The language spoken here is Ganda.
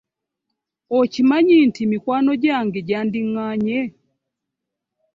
Okimanyi nti mikwano gyange gyadinganye.